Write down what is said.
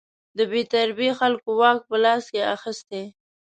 د بې تربیې خلکو واک په لاس کې اخیستی.